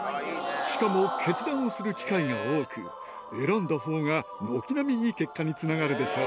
しかも決断をする機会が多く、選んだほうが軒並みいい結果につながるでしょう。